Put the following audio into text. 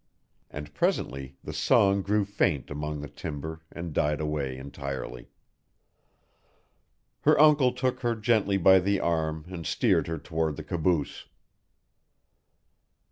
And presently the song grew faint among the timber and died away entirely. Her uncle took her gently by the arm and steered her toward the caboose.